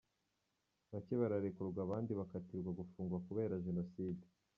Bake bararekurwa abandi bakatirwa gufungwa kubera Jenoside.